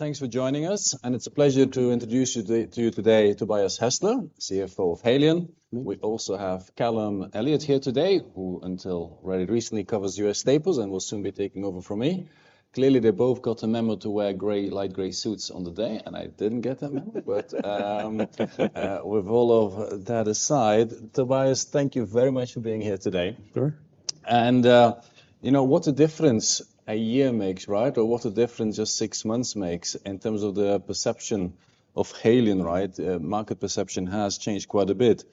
Thanks for joining us, and it's a pleasure to introduce you to you today, Tobias Hestler, CFO of Haleon. We also have Callum Elliott here today, who until recently covers U.S. Staples and will soon be taking over from me. Clearly, they both got the memo to wear gray, light gray suits on the day, and I didn't get that memo. But with all of that aside, Tobias, thank you very much for being here today. Sure. You know, what a difference a year makes, right? Or what a difference just six months makes in terms of the perception of Haleon, right? Market perception has changed quite a bit.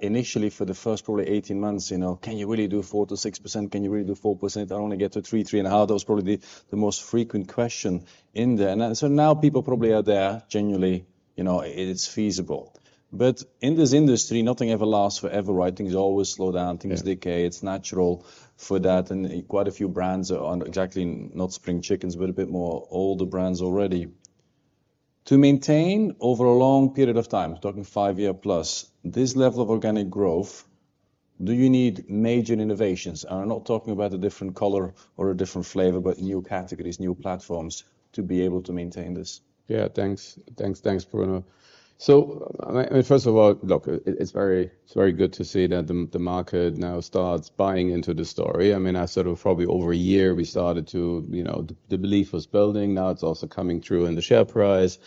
Initially, for the first probably 18 months, you know, "Can you really do 4-6%? Can you really do 4%? I only get to 3, 3.5." Those are probably the most frequent questions in there. So now people probably are there genuinely, you know, it's feasible. But in this industry, nothing ever lasts forever, right? Things always slow down Yeah. Things decay. It's natural for that, and quite a few brands are not exactly spring chickens, but a bit older brands already. To maintain over a long period of time, talking five-year plus, this level of organic growth, do you need major innovations? And I'm not talking about a different color or a different flavor, but new categories, new platforms, to be able to maintain this. Yeah, thanks. Thanks, Bruno. So, I first of all, look, it's very good to see that the market now starts buying into the story. I mean, I sort of probably over a year, we started to. You know, the belief was building. Now, it's also coming through in the share price,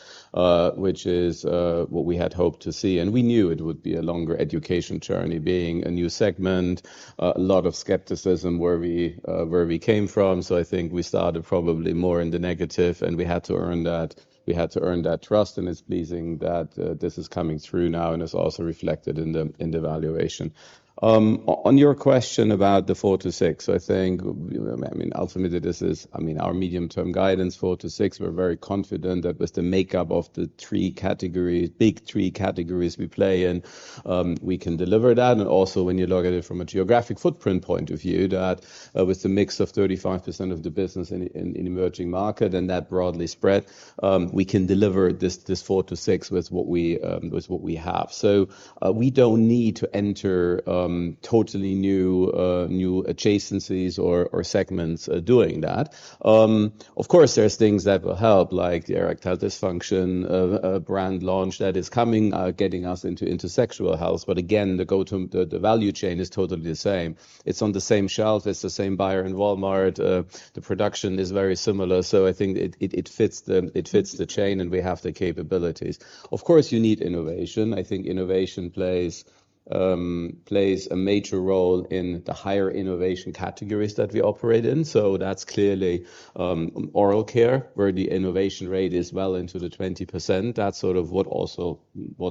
which is what we had hoped to see. And we knew it would be a longer education journey, being a new segment, a lot of skepticism where we came from. So I think we started probably more in the negative, and we had to earn that, we had to earn that trust, and it's pleasing that this is coming through now, and it's also reflected in the valuation. On your question about the four to six, I think, I mean, ultimately, this is, I mean, our medium-term guidance, four to six. We're very confident that with the makeup of the three categories, big three categories we play in, we can deliver that. And also, when you look at it from a geographic footprint point of view, that, with the mix of 35% of the business in emerging market and that broadly spread, we can deliver this four to six with what we have. So, we don't need to enter totally new adjacencies or segments doing that. Of course, there's things that will help, like the Erectile Dysfunction brand launch that is coming, getting us into sexual health. But again, the go-to... The value chain is totally the same. It's on the same shelf. It's the same buyer in Walmart. The production is very similar, so I think it fits the chain, and we have the capabilities. Of course, you need innovation. I think innovation plays a major role in the higher innovation categories that we operate in. So that's clearly oral care, where the innovation rate is well into the 20%. That's sort of what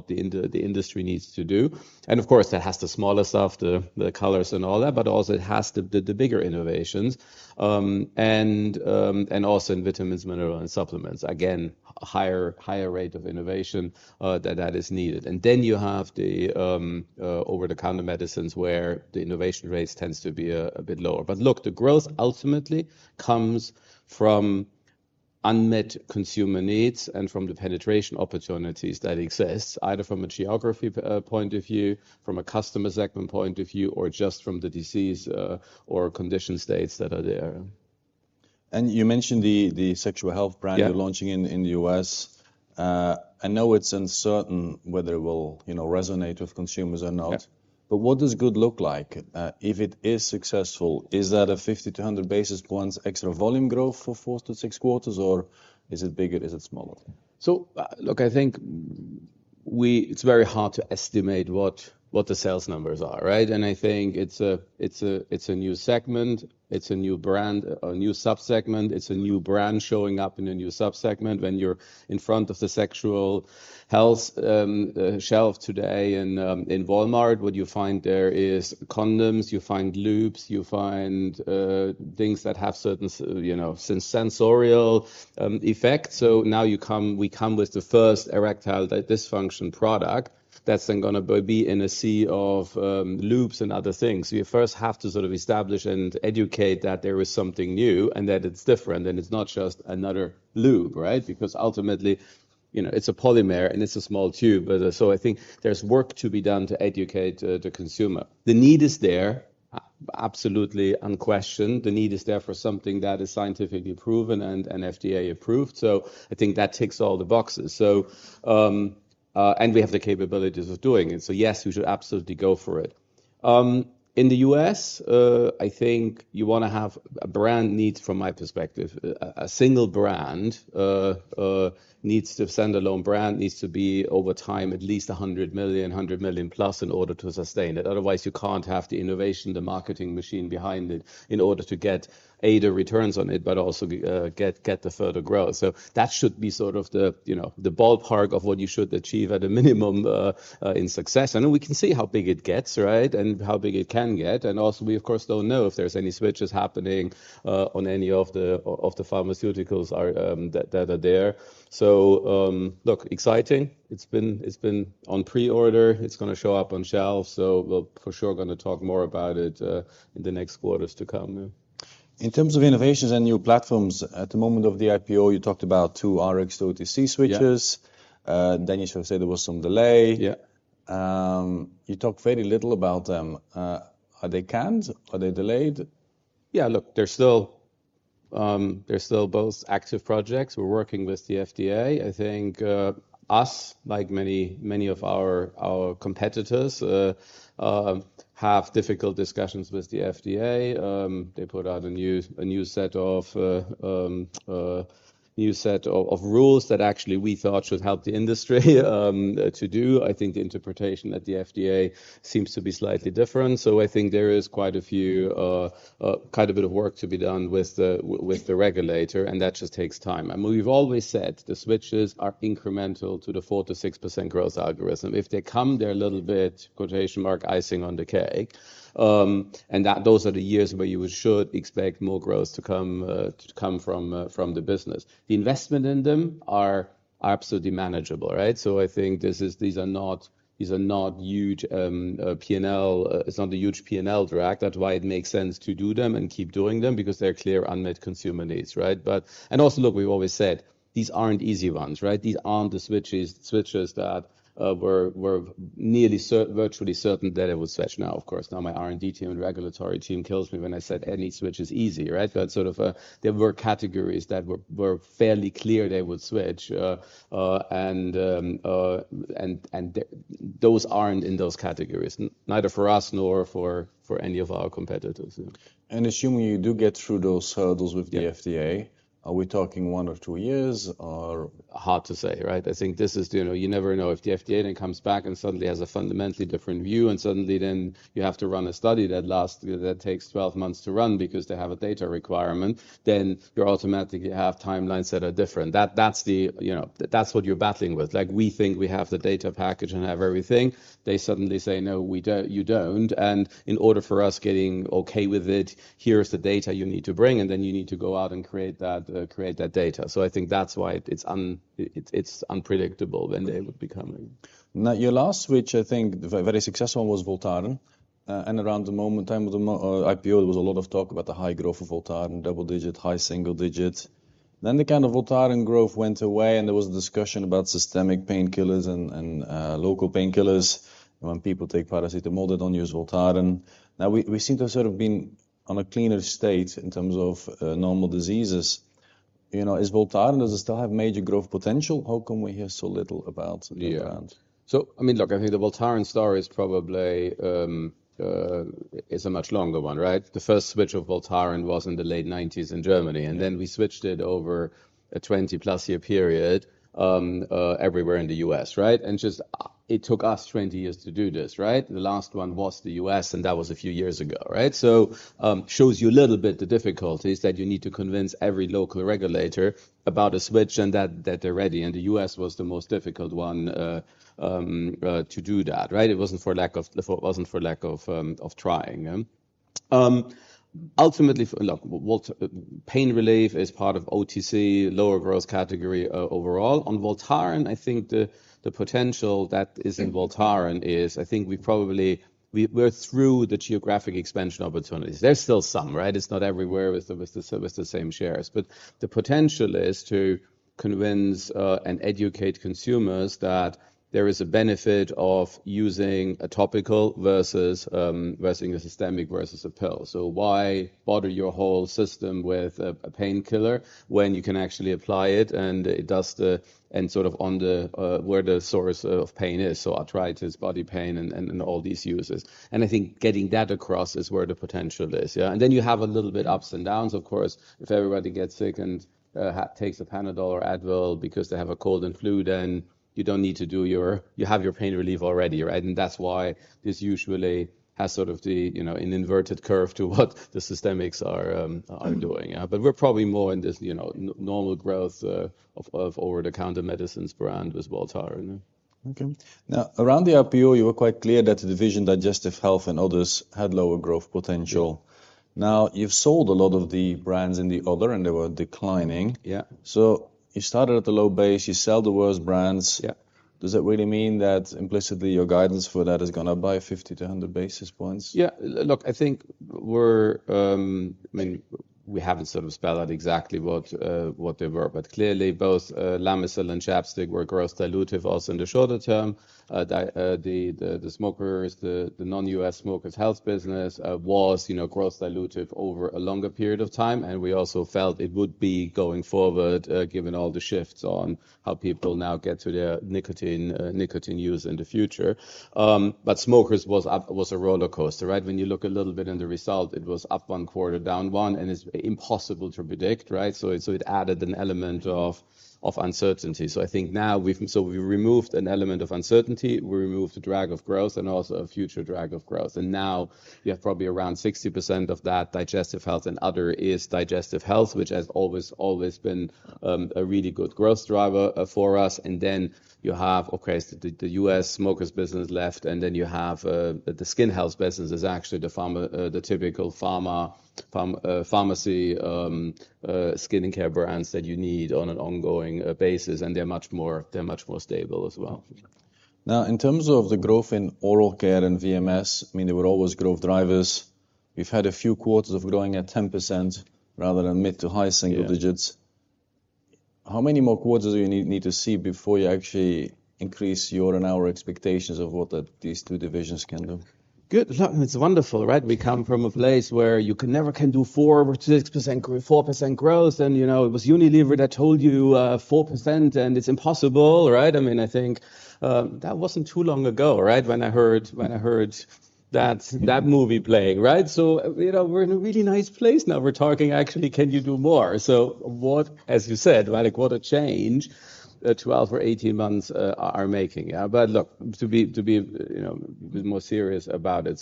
the industry also needs to do. And of course, that has the smaller stuff, the colors and all that, but also it has the bigger innovations. And also in vitamins, minerals, and supplements. Again, a higher rate of innovation that is needed. And then you have the over-the-counter medicines, where the innovation rates tends to be a bit lower. But look, the growth ultimately comes from unmet consumer needs and from the penetration opportunities that exist, either from a geography point of view, from a customer segment point of view, or just from the disease or condition states that are there. And you mentioned the sexual health brand- Yeah... you're launching in, in the US. I know it's uncertain whether it will, you know, resonate with consumers or not. Yeah. But what does good look like, if it is successful? Is that a 50-100 basis points extra volume growth for four to six quarters, or is it bigger, is it smaller? So, look, I think it's very hard to estimate what the sales numbers are, right? And I think it's a new segment, it's a new brand, a new subsegment. It's a new brand showing up in a new subsegment. When you're in front of the sexual health shelf today in Walmart, what you find there is condoms, you find lubes, you find things that have certain sensual effect. So now you come, we come with the first erectile dysfunction product that's then gonna be in a sea of lubes and other things. We first have to sort of establish and educate that there is something new and that it's different, and it's not just another lube, right? Because ultimately, you know, it's a polymer, and it's a small tube. So I think there's work to be done to educate the consumer. The need is there, absolutely unquestioned. The need is there for something that is scientifically proven and FDA approved, so I think that ticks all the boxes. So, we have the capabilities of doing it. So yes, we should absolutely go for it. In the US, I think you wanna have a brand needs, from my perspective, a single brand needs to be a standalone brand, over time, at least $100 million plus in order to sustain it. Otherwise, you can't have the innovation, the marketing machine behind it, in order to get the returns on it, but also get the further growth. So that should be sort of the, you know, the ballpark of what you should achieve at a minimum in success. And we can see how big it gets, right? And how big it can get. And also, we of course don't know if there's any switches happening on any of the pharmaceuticals that are there. So look, exciting. It's been on pre-order. It's gonna show up on shelves, so we're for sure gonna talk more about it in the next quarters to come. In terms of innovations and new platforms, at the moment of the IPO, you talked about two Rx to OTC switches. Yeah. Then you should say there was some delay. Yeah.... you talked very little about them. Are they canned? Are they delayed? Yeah, look, they're still both active projects. We're working with the FDA. I think, us, like many of our competitors, have difficult discussions with the FDA. They put out a new set of rules that actually we thought should help the industry to do. I think the interpretation at the FDA seems to be slightly different. So I think there is quite a bit of work to be done with the regulator, and that just takes time. And we've always said the switches are incremental to the 4%-6% growth algorithm. If they come, they're a little bit, "icing on the cake." And that those are the years where you should expect more growth to come from the business. The investment in them are absolutely manageable, right? So I think this is. These are not, these are not huge P&L. It's not a huge P&L drag. That's why it makes sense to do them and keep doing them, because they're clear unmet consumer needs, right? But. And also, look, we've always said these aren't easy ones, right? These aren't the switches, switches that were nearly certain virtually certain that it would switch. Now, of course, my R&D team and regulatory team kills me when I said any switch is easy, right? But sort of, there were categories that were fairly clear they would switch. Those aren't in those categories, neither for us nor for any of our competitors. Assuming you do get through those hurdles with the FDA- Yeah. Are we talking one or two years, or? Hard to say, right? I think this is, you know, you never know if the FDA then comes back and suddenly has a fundamentally different view, and suddenly then you have to run a study that takes twelve months to run because they have a data requirement, then you automatically have timelines that are different. That's the, you know, that's what you're battling with. Like, we think we have the data package and have everything. They suddenly say, "No, you don't, and in order for us getting okay with it, here is the data you need to bring," and then you need to go out and create that data. So I think that's why it's, it's unpredictable when they would be coming. Now, your last switch, I think, very successful, was Voltaren. And around the time of the IPO, there was a lot of talk about the high growth of Voltaren, double digit, high single digit. Then the Voltaren growth went away, and there was a discussion about systemic painkillers and topical painkillers. When people take paracetamol, they don't use Voltaren. Now, we seem to have sort of been on a cleaner state in terms of normal diseases. You know, is Voltaren, does it still have major growth potential? How come we hear so little about the brand? Yeah. So I mean, look, I think the Voltaren story is probably is a much longer one, right? The first switch of Voltaren was in the late nineties in Germany, and then we switched it over a twenty-plus year period everywhere in the US, right? And just it took us twenty years to do this, right? The last one was the US, and that was a few years ago, right? So shows you a little bit the difficulties, that you need to convince every local regulator about a switch and that that they're ready. And the US was the most difficult one to do that, right? It wasn't for lack of. It wasn't for lack of of trying. Ultimately, look, pain relief is part of OTC, lower growth category overall. On Voltaren, I think the potential that is in Voltaren is. I think we probably—we're through the geographic expansion opportunities. There's still some, right? It's not everywhere with the same shares. But the potential is to convince and educate consumers that there is a benefit of using a topical versus a systemic versus a pill. So why bother your whole system with a painkiller when you can actually apply it and it does the—and sort of on the where the source of pain is, so arthritis, body pain, and all these uses. And I think getting that across is where the potential is, yeah. And then you have a little bit ups and downs, of course. If everybody gets sick and takes a Panadol or Advil because they have a cold and flu, then you don't need to do your. You have your pain relief already, right? And that's why this usually has sort of the, you know, an inverted curve to what the systemics are doing, yeah. But we're probably more in this, you know, normal growth of over-the-counter medicines brand with Voltaren. Okay. Now, around the IPO, you were quite clear that the division, Digestive Health and Other, had lower growth potential. Yeah. Now, you've sold a lot of the brands in the Other, and they were declining. Yeah. So you started at the low base, you sell the worst brands. Yeah. Does that really mean that implicitly, your guidance for that is gonna buy 50-100 basis points? Yeah. Look, I think we're, I mean, we haven't sort of spelled out exactly what they were, but clearly both Lamisil and ChapStick were growth dilutive also in the shorter term. The non-US Smokers' Health business, you know, was growth dilutive over a longer period of time, and we also felt it would be going forward, given all the shifts on how people now get to their nicotine, nicotine use in the future. But smokers was up, was a rollercoaster, right? When you look a little bit in the result, it was up one quarter, down one, and it's impossible to predict, right? So it added an element of uncertainty. I think now we've removed an element of uncertainty. We removed the drag of growth and also a future drag of growth. Now you have probably around 60% of that Digestive Health and Other is Digestive Health, which has always been a really good growth driver for us. You have, of course, the U.S. Smokers' Health business left, and you have the Skin Health business, which is actually the pharma, the typical pharma pharmacy skin and care brands that you need on an ongoing basis, and they're much more stable as well. Now, in terms of the growth in oral care and VMS, I mean, they were always growth drivers. We've had a few quarters of growing at 10% rather than mid- to high single digits. How many more quarters do you need to see before you actually increase your and our expectations of what these two divisions can do? Good. Look, it's wonderful, right? We come from a place where you can never do 4-6% growth, 4% growth, and, you know, it was Unilever that told you 4% and it's impossible, right? I mean, I think that wasn't too long ago, right? When I heard that movie playing, right? So, you know, we're in a really nice place now. We're talking actually, can you do more? So what as you said, right, what a change 12 or 18 months are making. But look, to be, you know, more serious about it.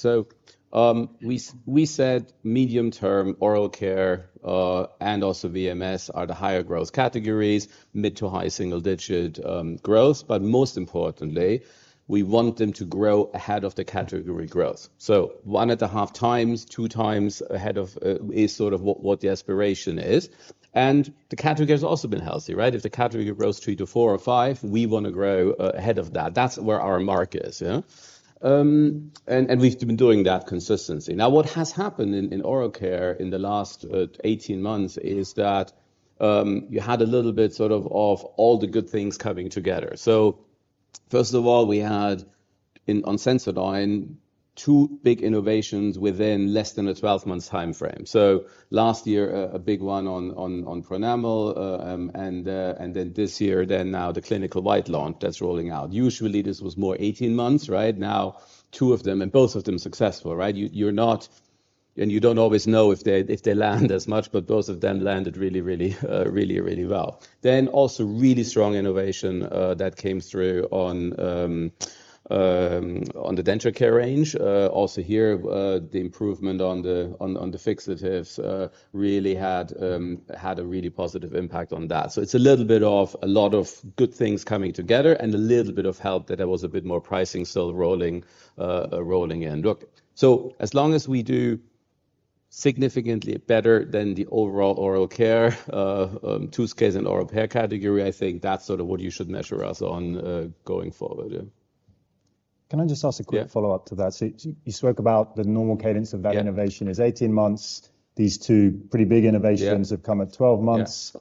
We said medium-term oral care and also VMS are the higher growth categories, mid- to high single-digit growth. But most importantly, we want them to grow ahead of the category growth. One and a half times, two times ahead of is sort of what the aspiration is. And the category has also been healthy, right? If the category grows three to four or five, we wanna grow ahead of that. That's where our mark is, yeah. And we've been doing that consistently. Now, what has happened in oral care in the last 18 months is that you had a little bit sort of all the good things coming together. First of all, we had on Sensodyne two big innovations within less than a 12-month time frame. Last year, a big one on Pronamel and then this year now the Clinical White launch that's rolling out. Usually, this was more 18 months, right? Now, two of them, and both of them successful, right? You, you're not... and you don't always know if they, if they land as much, but both of them landed really, really, really, really well. Then also really strong innovation that came through on the denture care range. Also here, the improvement on the fixatives really had a really positive impact on that. So it's a little bit of a lot of good things coming together and a little bit of help that there was a bit more pricing still rolling in. Look, so as long as we do significantly better than the overall oral care toothpastes and oral care category, I think that's sort of what you should measure us on going forward, yeah. Can I just ask a quick- Yeah follow-up to that? So you spoke about the normal cadence of that. Yeah Innovation is eighteen months. These two pretty big innovations- Yeah have come at twelve months.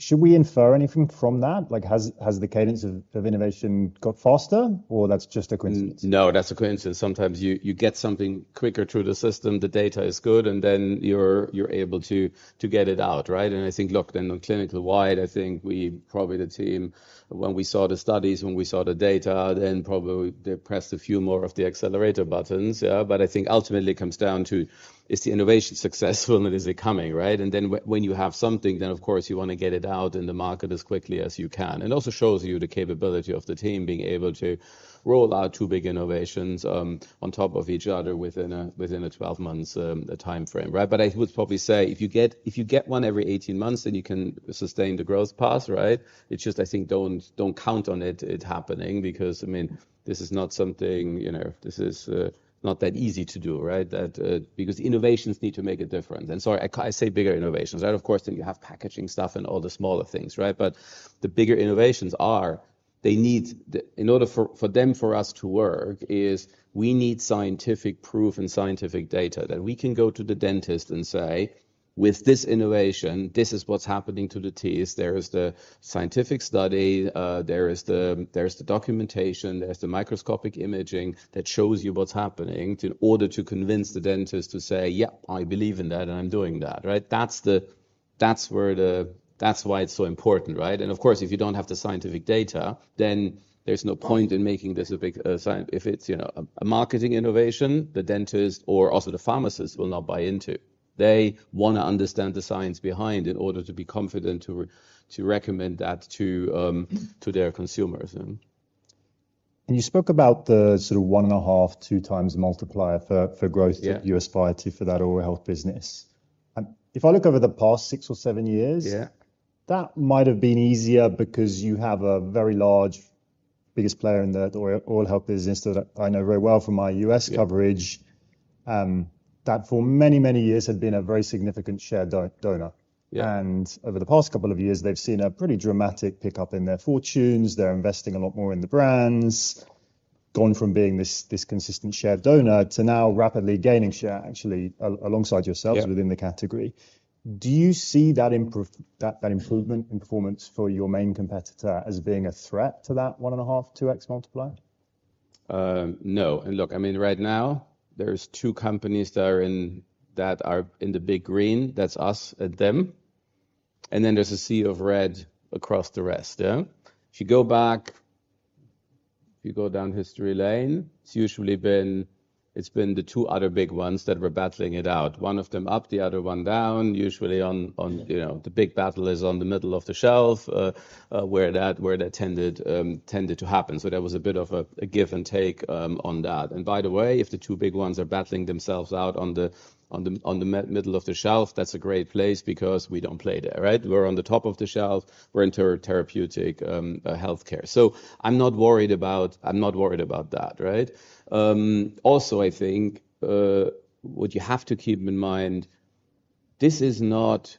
Yeah. Should we infer anything from that? Like, has the cadence of innovation got faster, or that's just a coincidence? No, that's a coincidence. Sometimes you get something quicker through the system, the data is good, and then you're able to get it out, right? And I think, look, then on Clinical White, I think we probably the team, when we saw the studies, when we saw the data, then probably they pressed a few more of the accelerator buttons, yeah. But I think ultimately it comes down to, is the innovation successful and is it coming, right? And then when you have something, then of course you wanna get it out in the market as quickly as you can. It also shows you the capability of the team being able to roll out two big innovations on top of each other within a twelve months time frame, right? But I would probably say if you get one every eighteen months, then you can sustain the growth path, right? It's just I think don't count on it happening, because, I mean, this is not something, you know, this is not that easy to do, right? That because innovations need to make a difference. And so I say bigger innovations, right? Of course, then you have packaging stuff and all the smaller things, right? But the bigger innovations are, they need. In order for them for us to work, we need scientific proof and scientific data that we can go to the dentist and say: With this innovation, this is what's happening to the teeth. There is the scientific study, there is the documentation, there's the microscopic imaging that shows you what's happening, in order to convince the dentist to say, "Yeah, I believe in that, and I'm doing that." Right? That's where, that's why it's so important, right? And of course, if you don't have the scientific data, then there's no point in making this a big if it's, you know, a marketing innovation, the dentist or also the pharmacist will not buy into. They wanna understand the science behind in order to be confident to recommend that to their consumers, yeah. And you spoke about the sort of one and a half, two times multiplier for growth. Yeah - that you aspire to for that oral health business. If I look over the past six or seven years- Yeah that might have been easier because you have a very large, biggest player in the oral health business that I know very well from my US coverage. That for many, many years had been a very significant share donor. Yeah. Over the past couple of years, they've seen a pretty dramatic pickup in their fortunes. They're investing a lot more in the brands, gone from being this consistent share donor to now rapidly gaining share, actually, alongside yourselves Yeah within the category. Do you see that improvement in performance for your main competitor as being a threat to that one and a half, two X multiplier? No. And look, I mean, right now, there's two companies that are in the big green, that's us and them. And then there's a sea of red across the rest, yeah? If you go down history lane, it's usually been the two other big ones that were battling it out. One of them up, the other one down, usually on you know the big battle is on the middle of the shelf where that tended to happen. So there was a bit of a give and take on that. And by the way, if the two big ones are battling themselves out on the middle of the shelf, that's a great place because we don't play there, right? We're on the top of the shelf. We're into therapeutic healthcare. So I'm not worried about, I'm not worried about that, right? Also, I think what you have to keep in mind, this is not.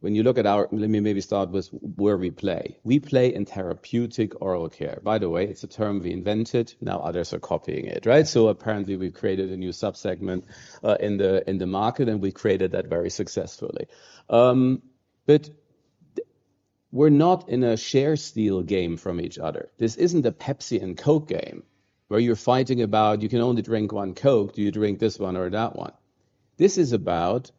When you look at our, let me maybe start with where we play. We play in therapeutic oral care. By the way, it's a term we invented, now others are copying it, right? So apparently, we've created a new subsegment in the market, and we created that very successfully. But we're not in a share steal game from each other. This isn't a Pepsi and Coke game where you're fighting about you can only drink one Coke. Do you drink this one or that one? This is about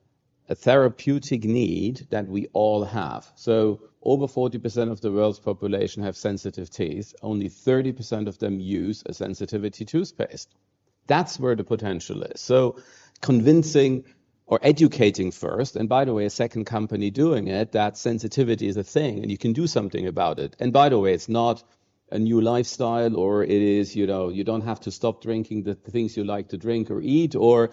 a therapeutic need that we all have. So over 40% of the world's population have sensitive teeth. Only 30% of them use a sensitivity toothpaste. That's where the potential is. So convincing or educating first, and by the way, a second company doing it, that sensitivity is a thing, and you can do something about it. And by the way, it's not a new lifestyle or it is, you know, you don't have to stop drinking the things you like to drink or eat or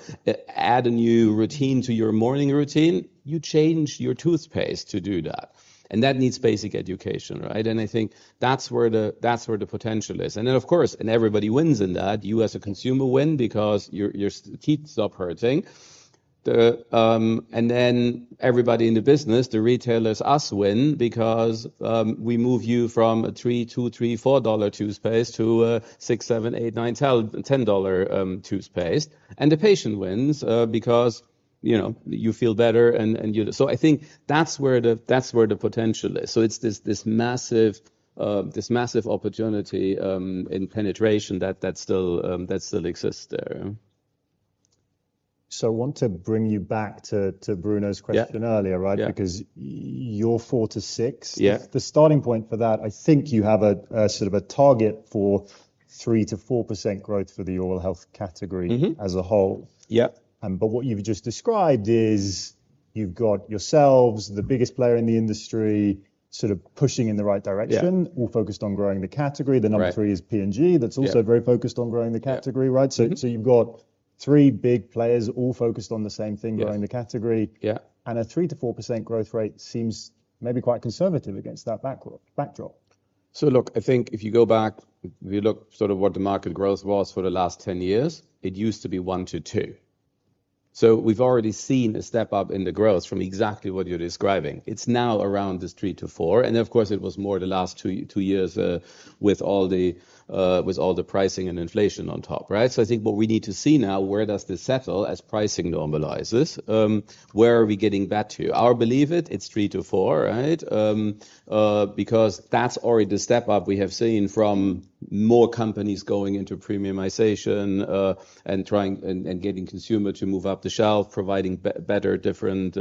add a new routine to your morning routine. You change your toothpaste to do that, and that needs basic education, right? And I think that's where the, that's where the potential is. And then, of course, and everybody wins in that. You, as a consumer, win because your, your teeth stop hurting. Everybody in the business, the retailers, us, win because we move you from a $3-$4 toothpaste to a $6, $7, $8, $9 to $10 toothpaste. The patient wins because, you know, you feel better and you. I think that's where the potential is. It's this massive opportunity in penetration that still exists there. So I want to bring you back to Bruno's question- Yeah. earlier, right? Yeah. Because you're four to six. Yeah. The starting point for that, I think you have a sort of target for 3%-4% growth for the oral health category. Mm-hmm as a whole. Yeah. But what you've just described is you've got yourselves, the biggest player in the industry, sort of pushing in the right direction- Yeah all focused on growing the category. Right. The number three is P&G. Yeah. That's also very focused on growing the category, right? Yeah. Mm-hmm. So, you've got three big players all focused on the same thing- Yeah growing the category. Yeah. A 3%-4% growth rate seems maybe quite conservative against that backdrop. So look, I think if you go back, if you look sort of what the market growth was for the last 10 years, it used to be one to two. So we've already seen a step up in the growth from exactly what you're describing. It's now around this three to four, and of course, it was more the last two years with all the pricing and inflation on top, right? So I think what we need to see now, where does this settle as pricing normalizes? Where are we getting back to? I believe it's three to four, right? Because that's already the step up we have seen from more companies going into premiumization and trying and getting consumer to move up the shelf, providing better, different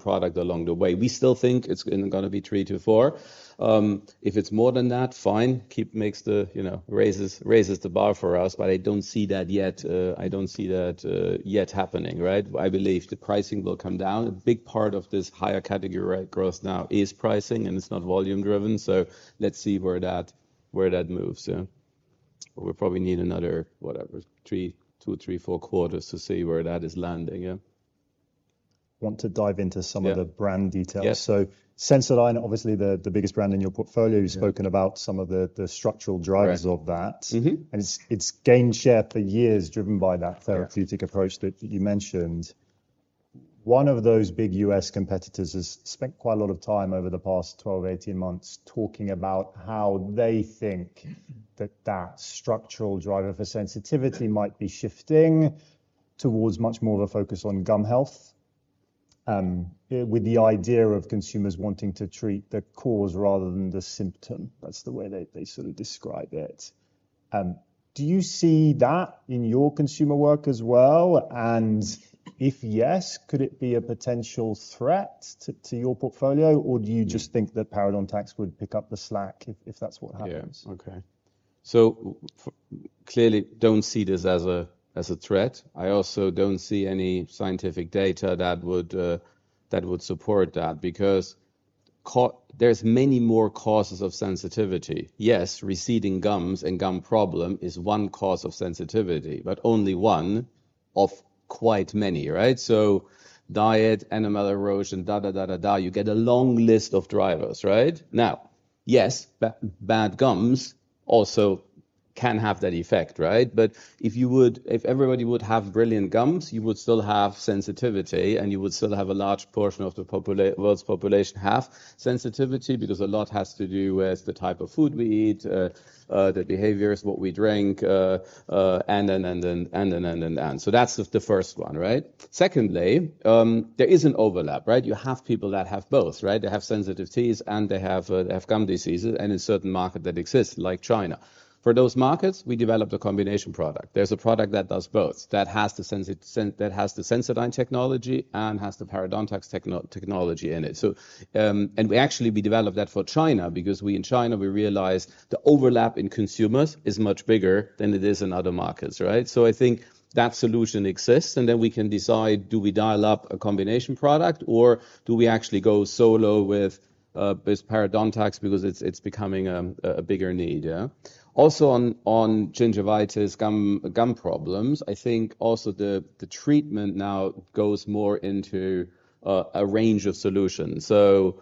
product along the way. We still think it's gonna be three to four. If it's more than that, fine, it makes the, you know, raises the bar for us, but I don't see that yet. I don't see that yet happening, right? I believe the pricing will come down. A big part of this higher category growth now is pricing, and it's not volume driven, so let's see where that moves. Yeah. We probably need another, whatever, two, three, four quarters to see where that is landing. Yeah. Want to dive into some of- Yeah the brand details. Yeah. Sensodyne, obviously the biggest brand in your portfolio- Yeah you've spoken about some of the structural drivers of that. Right. Mm-hmm. And it's gained share for years, driven by that- Yeah therapeutic approach that you mentioned. One of those big U.S. competitors has spent quite a lot of time over the past twelve, eighteen months talking about how they think that structural driver for sensitivity might be shifting towards much more of a focus on gum health, with the idea of consumers wanting to treat the cause rather than the symptom. That's the way they sort of describe it. Do you see that in your consumer work as well? And if yes, could it be a potential threat to your portfolio, or do you just think that Parodontax would pick up the slack if that's what happens? Yeah. Okay. So clearly don't see this as a threat. I also don't see any scientific data that would support that because there's many more causes of sensitivity. Yes, receding gums and gum problem is one cause of sensitivity, but only one of quite many, right? So diet, enamel erosion. You get a long list of drivers, right? Now, yes, bad gums also can have that effect, right? But if everybody would have brilliant gums, you would still have sensitivity, and you would still have a large portion of the world's population have sensitivity because a lot has to do with the type of food we eat, the behaviors, what we drink, and. So that's the first one, right? Secondly, there is an overlap, right? You have people that have both, right? They have sensitive teeth, and they have gum diseases, and in certain market that exists, like China. For those markets, we developed a combination product. There's a product that does both, that has the Sensodyne technology and has the Parodontax technology in it. So, and we actually, we developed that for China because we, in China, we realized the overlap in consumers is much bigger than it is in other markets, right? So I think that solution exists, and then we can decide, do we dial up a combination product, or do we actually go solo with this Parodontax because it's becoming a bigger need, yeah? Also, on gingivitis, gum problems, I think also the treatment now goes more into a range of solutions. So,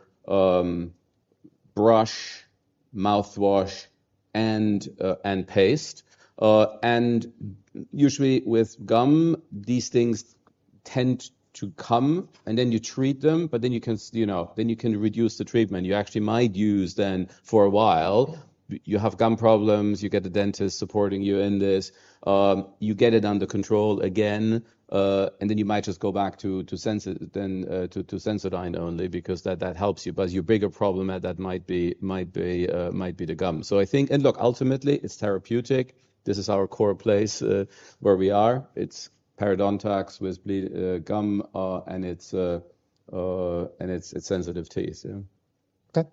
brush, mouthwash, and paste. And usually with gum, these things tend to come, and then you treat them, but then you can, you know, then you can reduce the treatment. You actually might use then for a while. You have gum problems, you get the dentist supporting you in this, you get it under control again, and then you might just go back to Sensodyne only because that helps you. But your bigger problem at that might be the gum. So I think and look, ultimately, it's therapeutic. This is our core place, where we are. It's Parodontax with bleeding gum, and it's sensitive teeth. Yeah. Okay.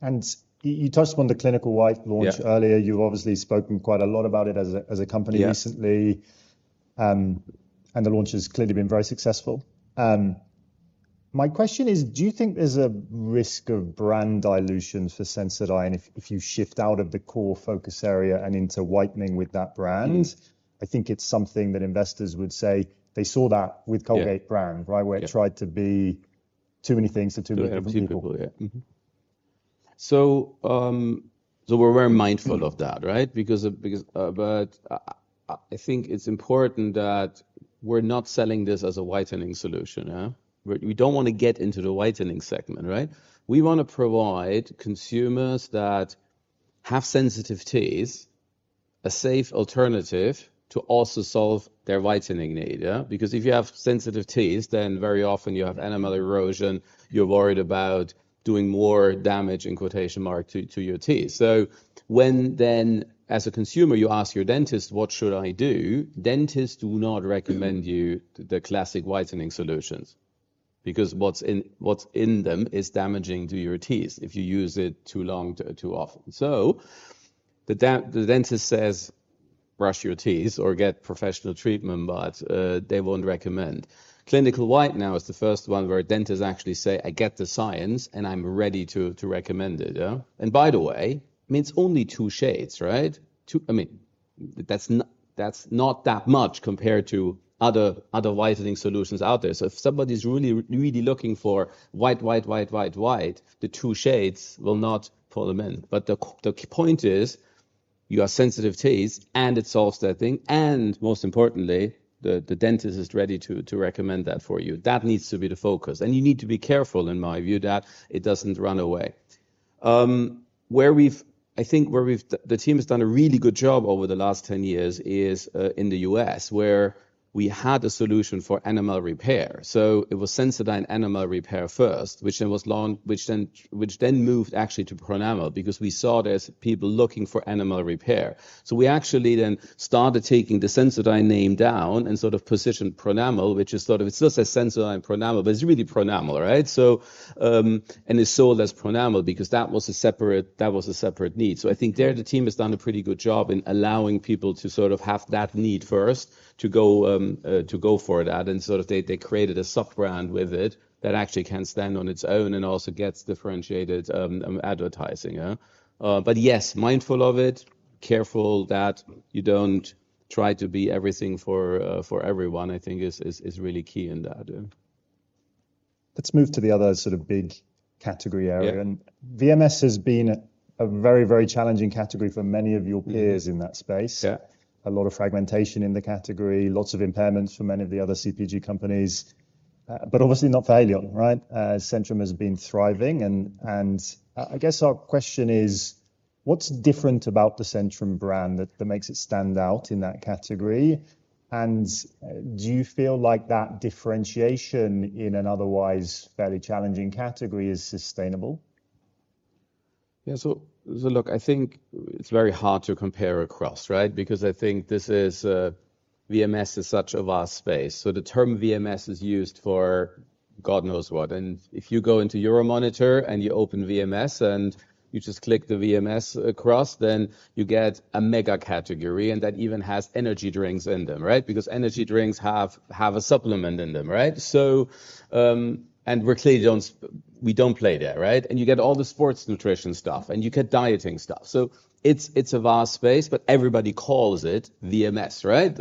And you touched upon the Clinical White launch- Yeah Earlier. You've obviously spoken quite a lot about it as a, as a company recently. Yeah. The launch has clearly been very successful. My question is, do you think there's a risk of brand dilution for Sensodyne if you shift out of the core focus area and into whitening with that brand? Mm-hmm. I think it's something that investors would say they saw that with- Yeah Colgate brand, right? Yeah. Where it tried to be too many things to too many people. To everyone, yeah. Mm-hmm. So, we're very mindful of that, right? Because, but I think it's important that we're not selling this as a whitening solution, yeah. We don't wanna get into the whitening segment, right? We wanna provide consumers that have sensitive teeth a safe alternative to also solve their whitening need, yeah. Because if you have sensitive teeth, then very often you have enamel erosion. You're worried about doing more damage, in quotation marks, to your teeth. So when, as a consumer, you ask your dentist: "What should I do?" Dentists do not recommend you the classic whitening solutions because what's in them is damaging to your teeth if you use it too long, too often. So the dentist says, "Brush your teeth or get professional treatment," but they won't recommend. Clinical White now is the first one where dentists actually say, "I get the science, and I'm ready to recommend it," yeah, and by the way, I mean, it's only two shades, right? I mean, that's not that much compared to other whitening solutions out there. So if somebody's really, really looking for white, white, white, white, white, the two shades will not pull them in. But the point is, you have sensitive teeth, and it solves that thing, and most importantly, the dentist is ready to recommend that for you. That needs to be the focus, and you need to be careful, in my view, that it doesn't run away. I think the team has done a really good job over the last ten years in the US, where we had a solution for enamel repair, so it was Sensodyne Enamel Repair first, which then moved actually to Pronamel because we saw there's people looking for enamel repair, so we actually then started taking the Sensodyne name down and sort of positioned Pronamel, which is sort of... It still says Sensodyne Pronamel, but it's really Pronamel, right, so and it's sold as Pronamel because that was a separate need, so I think there the team has done a pretty good job in allowing people to sort of have that need first to go for that. And sort of they created a sub-brand with it that actually can stand on its own and also gets differentiated advertising, yeah. But yes, mindful of it, careful that you don't try to be everything for everyone, I think is really key in that, yeah. Let's move to the other sort of big category area. Yeah. VMS has been a very, very challenging category for many of your peers in that space. Yeah. A lot of fragmentation in the category, lots of impairments for many of the other CPG companies, but obviously not Haleon, right? Centrum has been thriving, and I guess our question is, what's different about the Centrum brand that makes it stand out in that category? And, do you feel like that differentiation in an otherwise fairly challenging category is sustainable? Yeah. So look, I think it's very hard to compare across, right? Because I think this is VMS is such a vast space. So the term VMS is used for God knows what, and if you go into Euromonitor and you open VMS, and you just click the VMS across, then you get a mega category, and that even has energy drinks in them, right? Because energy drinks have a supplement in them, right? So, and we clearly don't, we don't play there, right? And you get all the sports nutrition stuff, and you get dieting stuff. So it's a vast space, but everybody calls it VMS, right?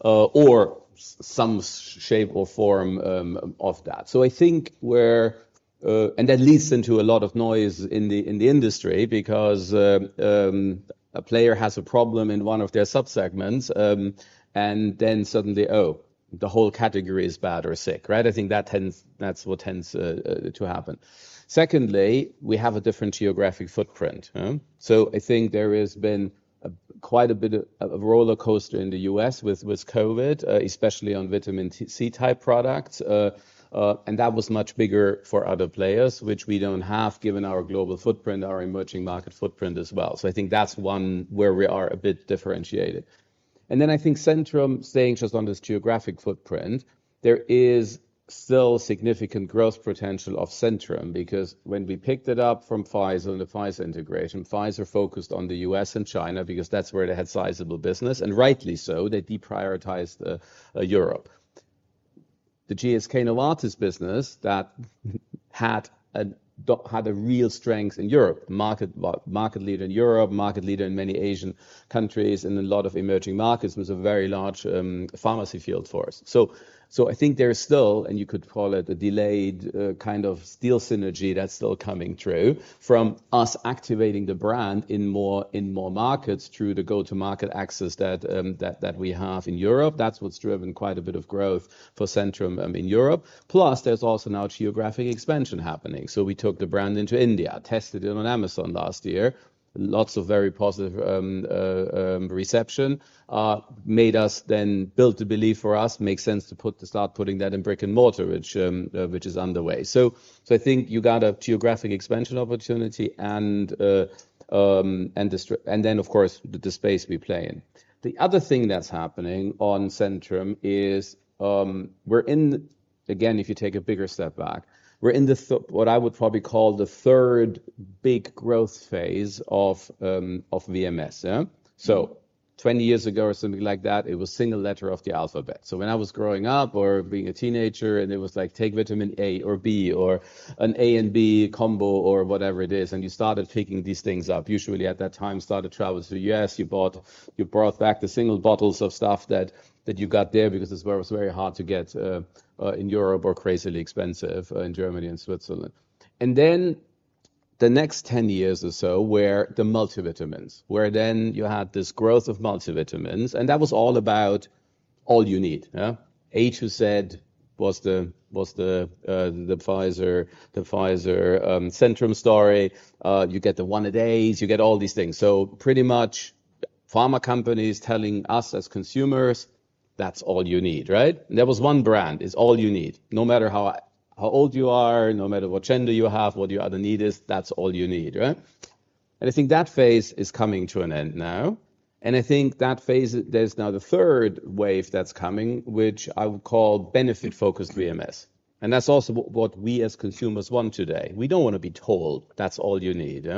or some shape or form of that. So I think we're... That leads into a lot of noise in the industry because a player has a problem in one of their subsegments, and then suddenly, "Oh, the whole category is bad or sick," right? I think that's what tends to happen. Secondly, we have a different geographic footprint. So I think there has been quite a bit of rollercoaster in the US with COVID, especially on vitamin C-type products. And that was much bigger for other players, which we don't have, given our global footprint, our emerging market footprint as well. So I think that's one where we are a bit differentiated. And then I think Centrum, staying just on this geographic footprint, there is still significant growth potential of Centrum because when we picked it up from Pfizer, on the Pfizer integration, Pfizer focused on the U.S. and China because that's where they had sizable business, and rightly so, they deprioritized Europe, the GSK Novartis business that had a real strength in Europe market, but market leader in Europe, market leader in many Asian countries, and a lot of emerging markets, was a very large pharmacy field for us. So I think there is still, and you could call it a delayed kind of deal synergy that's still coming through from us activating the brand in more markets through the go-to-market access that we have in Europe. That's what's driven quite a bit of growth for Centrum in Europe. Plus, there's also now geographic expansion happening. So we took the brand into India, tested it on Amazon last year. Lots of very positive reception made us then build the belief for us makes sense to put to start putting that in brick-and-mortar, which is underway. So I think you got a geographic expansion opportunity and then, of course, the space we play in. The other thing that's happening on Centrum is we're in. Again, if you take a bigger step back, we're in what I would probably call the third big growth phase of VMS, yeah? So twenty years ago or something like that, it was single letter of the alphabet. When I was growing up or being a teenager, and it was like, take vitamin A or B or an A and B combo, or whatever it is, and you started picking these things up. Usually at that time, started travel to US, you bought, you brought back the single bottles of stuff that you got there because it was very hard to get in Europe or crazily expensive in Germany and Switzerland. Then the next 10 years or so were the multivitamins, where then you had this growth of multivitamins, and that was all about all you need, yeah? A to Z was the Pfizer Centrum story. You get the one-a-days, you get all these things. Pretty much pharma companies telling us as consumers, "That's all you need," right? There was one brand, it's all you need. No matter how old you are, no matter what gender you have, what your other need is, that's all you need, right, and I think that phase is coming to an end now, and I think that phase, there's now the third wave that's coming, which I would call benefit-focused VMS, and that's also what we as consumers want today. We don't wanna be told that's all you need?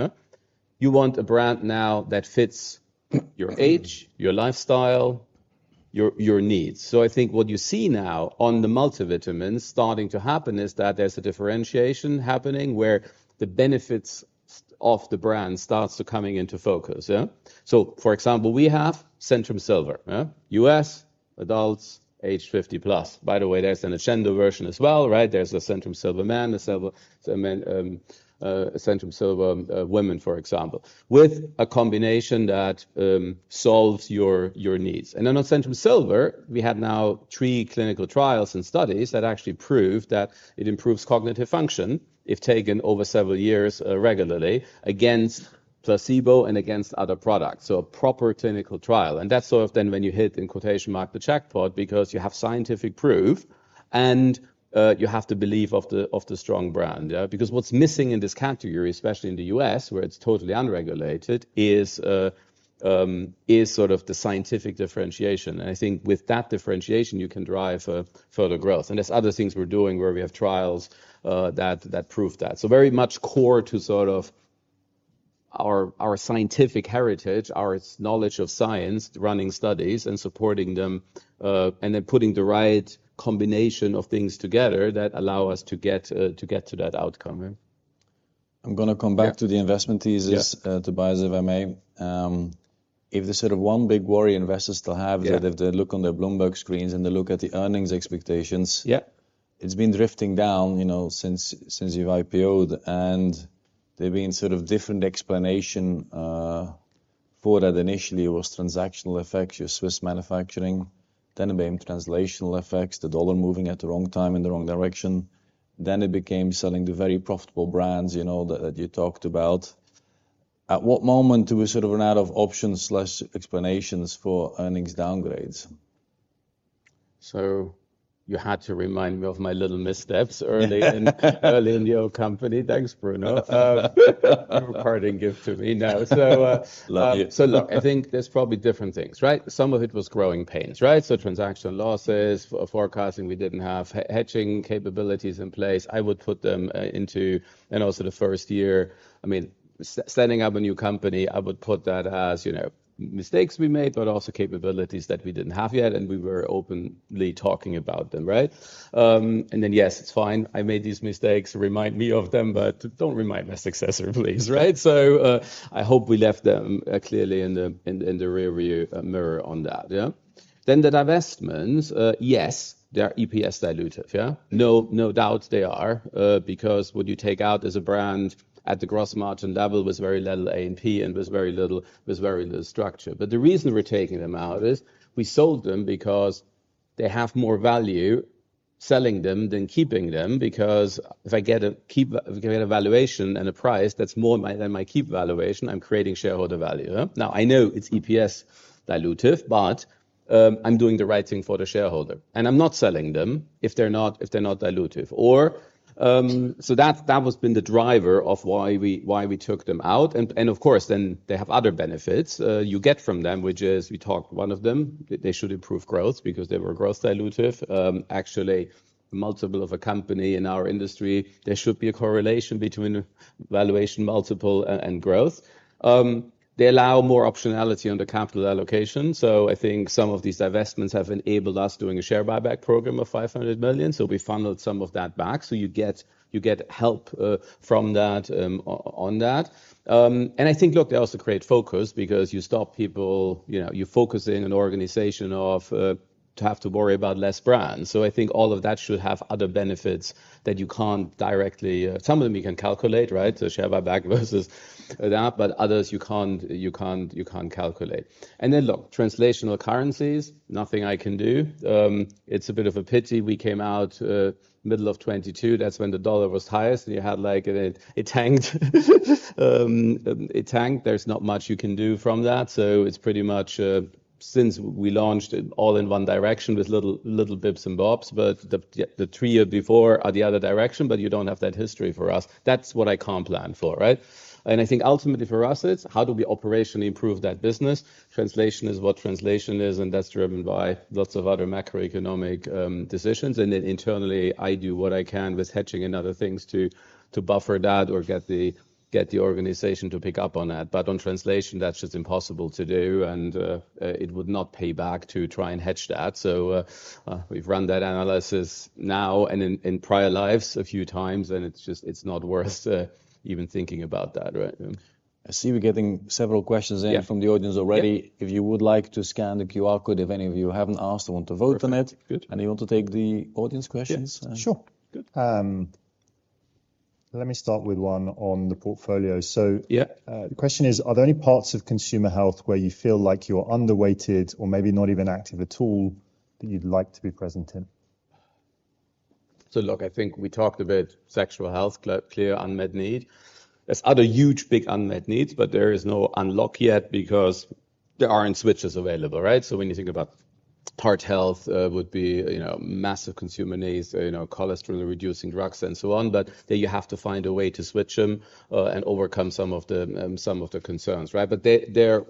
You want a brand now that fits your age, your lifestyle, your needs. I think what you see now on the multivitamins starting to happen is that there's a differentiation happening where the benefits of the brand start to come into focus, yeah, so for example, we have Centrum Silver, US adults age 50 plus. By the way, there's a gender version as well, right? There's a Centrum Silver Men, a Silver men, Centrum Silver Women, for example, with a combination that solves your needs. And then on Centrum Silver, we have now three clinical trials and studies that actually prove that it improves cognitive function if taken over several years regularly against placebo and against other products. So a proper clinical trial, and that's sort of then when you hit, in quotation mark, "the jackpot," because you have scientific proof and you have the belief of the strong brand, yeah? Because what's missing in this category, especially in the US, where it's totally unregulated, is sort of the scientific differentiation. And I think with that differentiation, you can drive further growth. And there's other things we're doing where we have trials that prove that. So very much core to sort of our scientific heritage, our knowledge of science, running studies and supporting them, and then putting the right combination of things together that allow us to get to that outcome. I'm gonna come back to the investment thesis- Yeah. To buy, if I may. If the sort of one big worry investors still have- Yeah that if they look on their Bloomberg screens and they look at the earnings expectations- Yeah it's been drifting down, you know, since you've IPOed, and there have been sort of different explanations for that. Initially, it was transactional effects, your Swiss manufacturing, then it became translational effects, the dollar moving at the wrong time in the wrong direction. Then it became selling the very profitable brands, you know, that you talked about. At what moment do we sort of run out of options or explanations for earnings downgrades? So you had to remind me of my little missteps early in the old company. Thanks, Bruno. Your parting gift to me now. So, Love you. So look, I think there's probably different things, right? Some of it was growing pains, right? So transactional losses, forecasting, we didn't have hedging capabilities in place. I would put them into... And also the first year, I mean, setting up a new company, I would put that as, you know, mistakes we made, but also capabilities that we didn't have yet, and we were openly talking about them, right? And then, yes, it's fine. I made these mistakes, remind me of them, but don't remind my successor, please, right? So, I hope we left them clearly in the rearview mirror on that, yeah? Then the divestments, yes, they are EPS dilutive, yeah. No, no doubt they are, because what you take out as a brand at the gross margin level was very little A&P and was very little structure. But the reason we're taking them out is, we sold them because they have more value selling them than keeping them, because if we get a valuation and a price that's more than my keep valuation, I'm creating shareholder value, yeah? Now, I know it's EPS dilutive, but, I'm doing the right thing for the shareholder, and I'm not selling them if they're not dilutive. So that has been the driver of why we took them out. Of course, then they have other benefits you get from them, which is we talked one of them, they should improve growth because they were growth dilutive. Actually, multiple of a company in our industry, there should be a correlation between valuation multiple and growth. They allow more optionality on the capital allocation, so I think some of these divestments have enabled us doing a share buyback program of 500 million, so we funneled some of that back. So you get help from that on that. And I think, look, they also create focus because you stop people, you know, you focus in an organization to have to worry about less brands. So I think all of that should have other benefits that you can't directly some of them you can calculate, right? Share buyback versus that, but others you can't calculate. Then, translational currencies, nothing I can do. It's a bit of a pity. We came out middle of 2022, that's when the dollar was highest, and you had like and it tanked. It tanked. There's not much you can do from that. It's pretty much since we launched it all in one direction with little bits and bobs, but the three years before are the other direction, but you don't have that history for us. That's what I can't plan for, right? I think ultimately for us, it's how do we operationally improve that business? Translation is what translation is, and that's driven by lots of other macroeconomic decisions. And then internally, I do what I can with hedging and other things to buffer that or get the organization to pick up on that. But on translation, that's just impossible to do, and it would not pay back to try and hedge that. So we've run that analysis now and in prior lives a few times, and it's just. It's not worth even thinking about that, right? I see we're getting several questions in. Yeah. from the audience already. Yeah. If you would like to scan the QR code, if any of you haven't asked or want to vote on it. Perfect. Good. You want to take the audience questions? Yeah. Sure. Good. Let me start with one on the portfolio. Yeah. the question is: Are there any parts of consumer health where you feel like you're underweighted or maybe not even active at all, that you'd like to be present in? So look, I think we talked about sexual health, clear unmet need. There's other huge, big unmet needs, but there is no unlock yet because there aren't switches available, right? So when you think about heart health, would be, you know, massive consumer needs, you know, cholesterol-reducing drugs and so on, but then you have to find a way to switch them, and overcome some of the concerns, right? But they're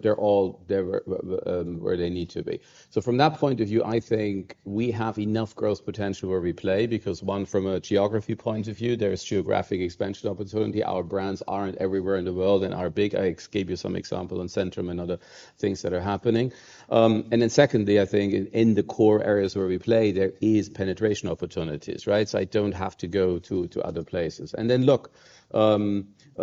where they need to be. So from that point of view, I think we have enough growth potential where we play, because, one, from a geography point of view, there is geographic expansion opportunity. Our brands aren't everywhere in the world and are big. I gave you some example on Centrum and other things that are happening. And then secondly, I think in the core areas where we play, there is penetration opportunities, right? So I don't have to go to other places. And then, look,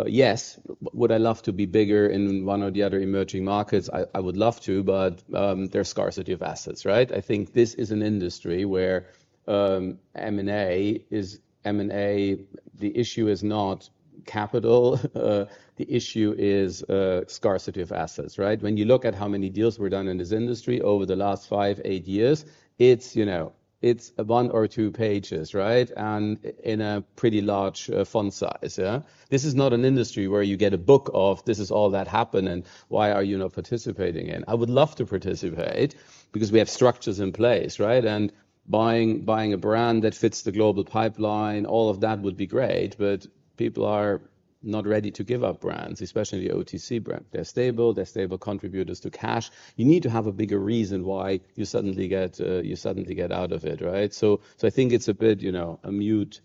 yes, would I love to be bigger in one or the other emerging markets? I would love to, but, there's scarcity of assets, right? I think this is an industry where M&A is... M&A, the issue is not capital, the issue is scarcity of assets, right? When you look at how many deals were done in this industry over the last five, eight years, it's, you know, it's one or two pages, right? And in a pretty large font size, yeah. This is not an industry where you get a book of, "This is all that happened, and why are you not participating in?" I would love to participate because we have structures in place, right? And buying a brand that fits the global pipeline, all of that would be great, but people are not ready to give up brands, especially the OTC brand. They're stable contributors to cash. You need to have a bigger reason why you suddenly get out of it, right? So I think it's a bit, you know, a moot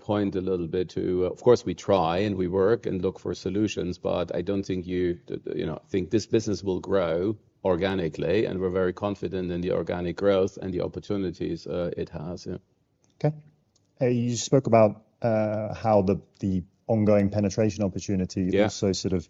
point a little bit to... Of course, we try, and we work and look for solutions, but I don't think you, you know, think this business will grow organically, and we're very confident in the organic growth and the opportunities it has. Yeah. Okay. You spoke about how the ongoing penetration opportunity- Yeah... also sort of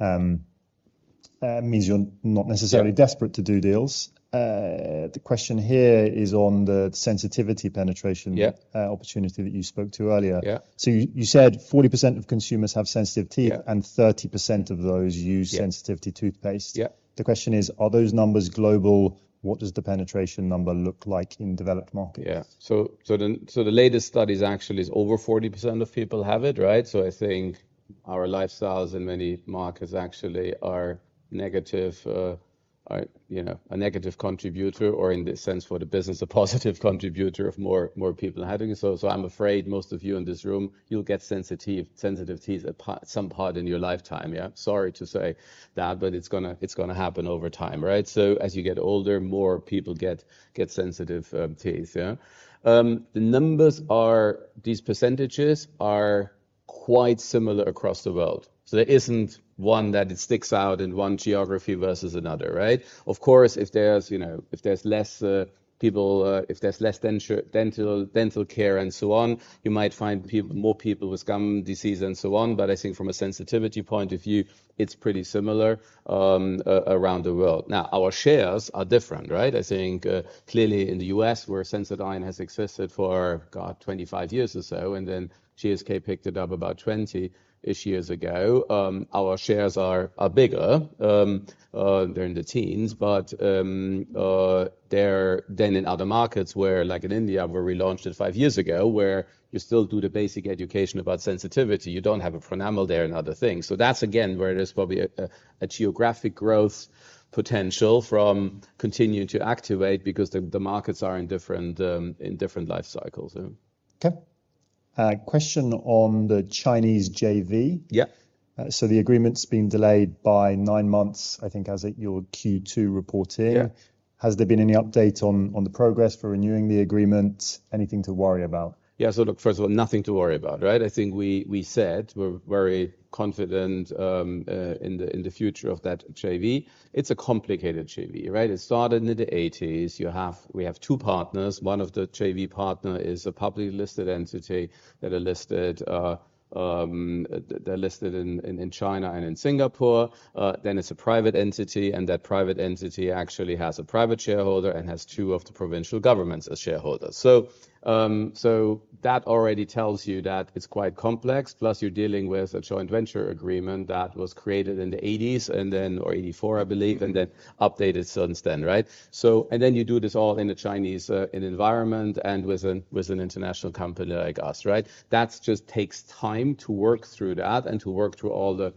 means you're not necessarily- Yeah desperate to do deals. The question here is on the sensitivity penetration. Yeah opportunity that you spoke to earlier. Yeah. So you said 40% of consumers have sensitive teeth- Yeah and 30% of those use- Yeah sensitivity toothpaste. Yeah. The question is: Are those numbers global? What does the penetration number look like in developed markets? Yeah. The latest studies actually is over 40% of people have it, right? So I think our lifestyles in many markets actually are negative, you know, a negative contributor or in this sense, for the business, a positive contributor of more people having it. So I'm afraid most of you in this room, you'll get sensitive teeth at some part in your lifetime. Yeah. Sorry to say that, but it's gonna happen over time, right? So as you get older, more people get sensitive teeth, yeah. The numbers are these percentages are quite similar across the world. So there isn't one that sticks out in one geography versus another, right? Of course, if there's, you know, if there's less people, if there's less denture dental care and so on, you might find more people with gum disease and so on. But I think from a sensitivity point of view, it's pretty similar around the world. Now, our shares are different, right? I think clearly in the U.S., where Sensodyne has existed for, God, 25 years or so, and then GSK picked it up about twenty-ish years ago, our shares are bigger. They're in the teens, but they're then in other markets where, like in India, where we launched it 5 years ago, where you still do the basic education about sensitivity. You don't have a Pronamel there and other things. So that's again, where there's probably a geographic growth potential from continuing to activate because the markets are in different life cycles. Yeah. Okay, question on the Chinese JV? Yeah. The agreement's been delayed by nine months, I think, as at your Q2 reporting. Yeah. Has there been any update on the progress for renewing the agreement? Anything to worry about? Yeah, so look, first of all, nothing to worry about, right? I think we said we're very confident in the future of that JV. It's a complicated JV, right? It started in the eighties. We have two partners. One of the JV partner is a publicly listed entity that are listed, they're listed in China and in Singapore. Then it's a private entity, and that private entity actually has a private shareholder and has two of the provincial governments as shareholders. So that already tells you that it's quite complex, plus you're dealing with a joint venture agreement that was created in the eighties, and then or eighty-four, I believe, and then updated since then, right? You do this all in a Chinese environment and with an international company like us, right? That just takes time to work through that and to work through all the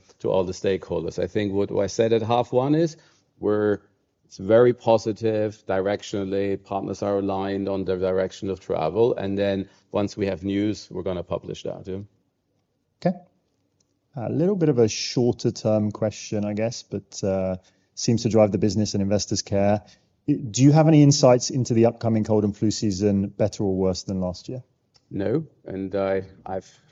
stakeholders. I think what I said in H1 is, we're very positive, directionally. Partners are aligned on their direction of travel, and then once we have news, we're gonna publish that. Yeah. Okay. A little bit of a shorter term question, I guess, but seems to drive the business and investors' care. Do you have any insights into the upcoming cold and flu season, better or worse than last year? No, and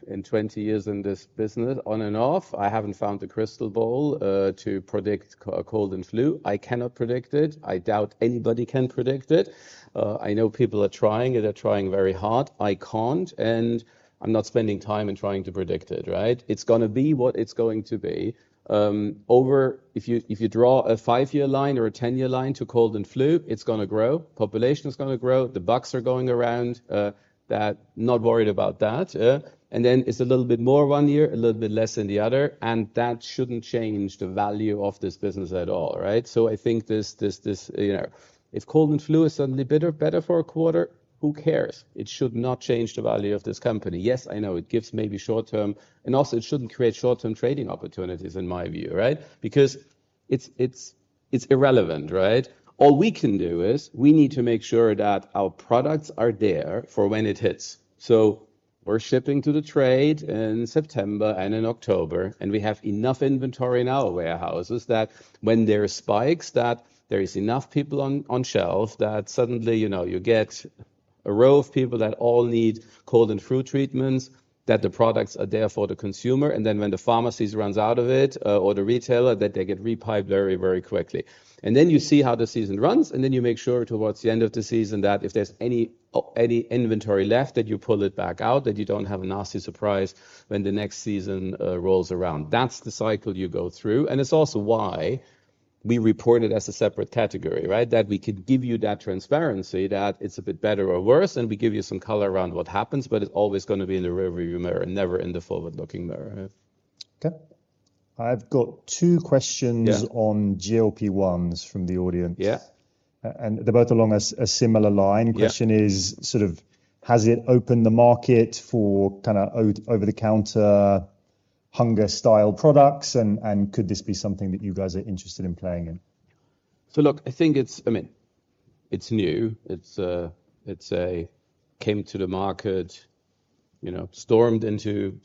in twenty years in this business, on and off, I haven't found a crystal ball to predict cold and flu. I cannot predict it. I doubt anybody can predict it. I know people are trying it. They're trying very hard. I can't, and I'm not spending time in trying to predict it, right? It's gonna be what it's going to be. If you draw a five-year line or a ten-year line to cold and flu, it's gonna grow. Population is gonna grow. The bugs are going around. Not worried about that. Then it's a little bit more one year, a little bit less in the other, and that shouldn't change the value of this business at all, right? So I think this, you know, if cold and flu is suddenly better for a quarter, who cares? It should not change the value of this company. Yes, I know it gives maybe short-term, and also it shouldn't create short-term trading opportunities, in my view, right? Because it's irrelevant, right? All we can do is we need to make sure that our products are there for when it hits. So we're shipping to the trade in September and in October, and we have enough inventory in our warehouses that when there are spikes, that there is enough product on shelf, that suddenly, you know, you get a row of people that all need cold and flu treatments, that the products are there for the consumer, and then when the pharmacies runs out of it, or the retailer, that they get replenished very, very quickly. And then you see how the season runs, and then you make sure towards the end of the season, that if there's any inventory left, that you pull it back out, that you don't have a nasty surprise when the next season rolls around. That's the cycle you go through, and it's also why we report it as a separate category, right? That we could give you that transparency, that it's a bit better or worse, and we give you some color around what happens, but it's always gonna be in the rearview mirror and never in the forward-looking mirror. Okay. I've got two questions- Yeah on GLP-1s from the audience. Yeah. And they're both along a similar line. Yeah. Question is, sort of, has it opened the market for kinda over-the-counter hunger style products, and could this be something that you guys are interested in playing in? So look, I think it's. I mean, it's new. It's, it's a came to the market, you know, stormed into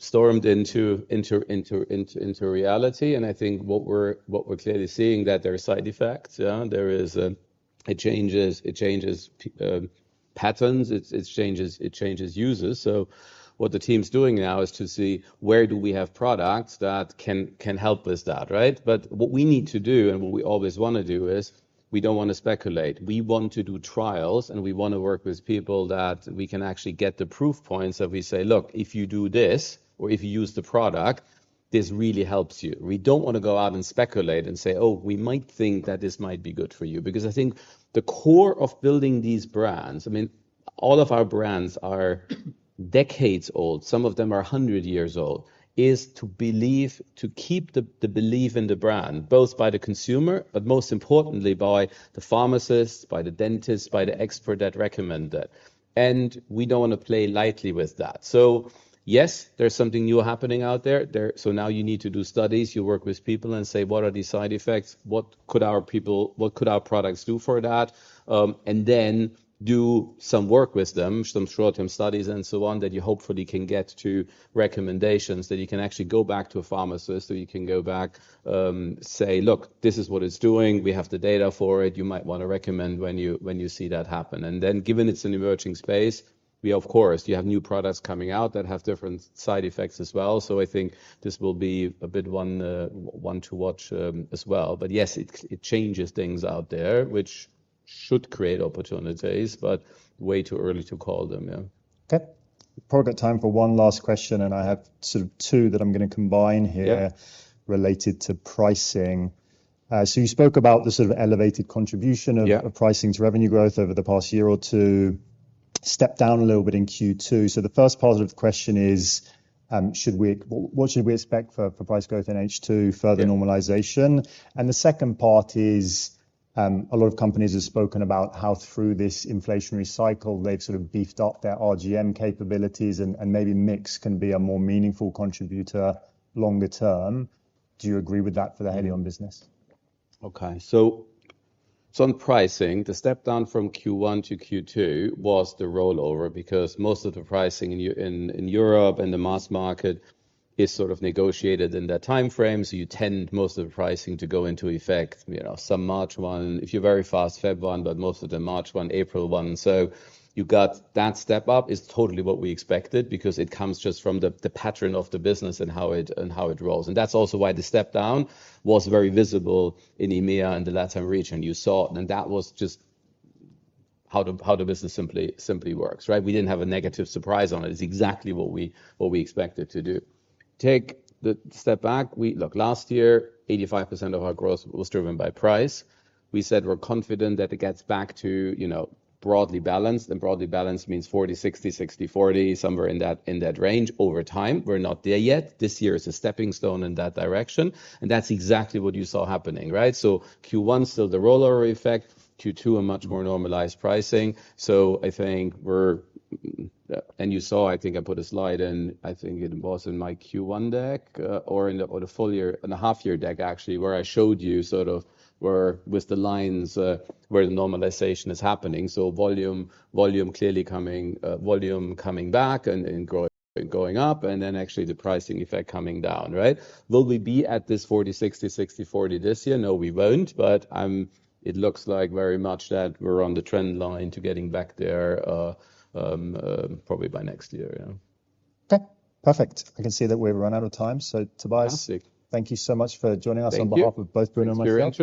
reality. And I think what we're clearly seeing that there are side effects. Yeah, there is, it changes patterns, it changes users. So what the team's doing now is to see where do we have products that can help with that, right? But what we need to do and what we always wanna do is we don't want to speculate. We want to do trials, and we want to work with people that we can actually get the proof points that we say, "Look, if you do this or if you use the product, this really helps you." We don't want to go out and speculate and say, "Oh, we might think that this might be good for you." Because I think the core of building these brands, I mean, all of our brands are decades old, some of them are a hundred years old, is to believe, to keep the belief in the brand, both by the consumer, but most importantly, by the pharmacist, by the dentist, by the expert that recommend it, and we don't want to play lightly with that, so yes, there's something new happening out there. So now you need to do studies, you work with people and say: What are these side effects? What could our people, what could our products do for that? And then do some work with them, some short-term studies and so on, that you hopefully can get to recommendations, that you can actually go back to a pharmacist or you can go back, say, "Look, this is what it's doing. We have the data for it. You might want to recommend when you, when you see that happen." And then, given it's an emerging space, we of course, you have new products coming out that have different side effects as well. So I think this will be a big one to watch, as well. But yes, it changes things out there, which should create opportunities, but way too early to call them, yeah. Okay. Probably got time for one last question, and I have sort of two that I'm gonna combine here- Yeah... related to pricing. So you spoke about the sort of elevated contribution of- Yeah... pricing to revenue growth over the past year or two, stepped down a little bit in Q2. So the first positive question is, what should we expect for price growth in H2? Yeah. Further normalization. And the second part is, a lot of companies have spoken about how through this inflationary cycle, they've sort of beefed up their RGM capabilities, and maybe mix can be a more meaningful contributor longer term. Do you agree with that for the Haleon business? Okay. So on pricing, the step down from Q1 to Q2 was the rollover, because most of the pricing in Europe and the mass market is sort of negotiated in that timeframe, so you tend most of the pricing to go into effect, you know, some March one, if you're very fast, Feb one, but most of them March one, April one. So you got that step up is totally what we expected because it comes just from the pattern of the business and how it rolls. And that's also why the step down was very visible in EMEA and the LatAm region. You saw, and that was just how the business simply works, right? We didn't have a negative surprise on it. It's exactly what we expected to do. Take the step back, we... Look, last year, 85% of our growth was driven by price. We said we're confident that it gets back to, you know, broadly balanced, and broadly balanced means 40, 60, 60, 40, somewhere in that range over time. We're not there yet. This year is a stepping stone in that direction, and that's exactly what you saw happening, right? So Q1, still the rollover effect. Q2, a much more normalized pricing. And you saw, I think I put a slide in, I think it was in my Q1 deck, or in the full year, in the half year deck, actually, where I showed you sort of where, with the lines, where the normalization is happening. So volume clearly coming back and going up, and then actually the pricing effect coming down, right? Will we be at this forty, sixty, sixty, forty this year? No, we won't. But it looks like very much that we're on the trend line to getting back there, probably by next year. Yeah. Okay, perfect. I can see that we've run out of time. Fantastic. So, Tobias, thank you so much for joining us. Thank you on behalf of both Bruno and myself.